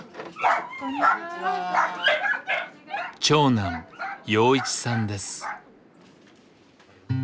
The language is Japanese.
長男陽一さんです。